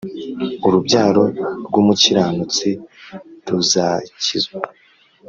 urubyaro rw’umukiranutsi ruzakizwa